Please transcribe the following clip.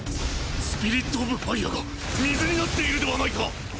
スピリットオブファイアが水になっているではないか！